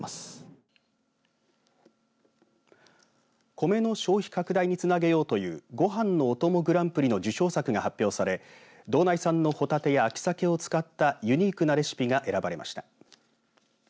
コメの消費拡大につなげようというごはんのおともグランプリの受賞作が発表され道内産のホタテや秋サケを使ったユニークなレシピが選ばれました。